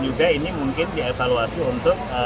juga ini mungkin dievaluasi untuk